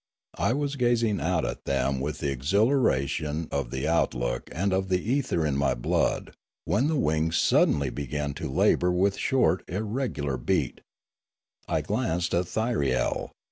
I was gazing out at them with the exhilaration of the outlook and of the ether in my blood, when the wings suddenly began to labour with short, irregular beat. I glanced at Thyriel.